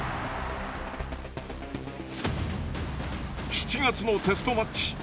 ７月のテストマッチ。